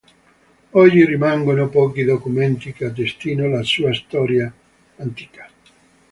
Oggi rimangono pochi documenti che attestino la sua storia antica.